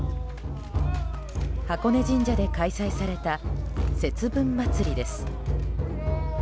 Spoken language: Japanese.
箱根神社で開催された節分祭です。